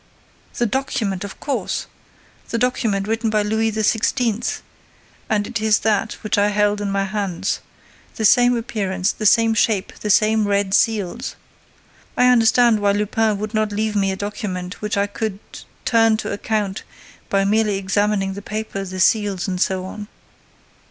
"The document, of course! The document written by Louis XVI.; and it is that which I held in my hands. The same appearance, the same shape, the same red seals. I understand why Lupin would not leave me a document which I could turn to account by merely examining the paper, the seals and so on."